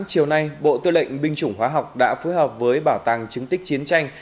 chiều nay bộ tư lệnh binh chủng hóa học đã phối hợp với bảo tàng chứng tích chiến tranh